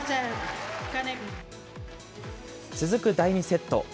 続く第２セット。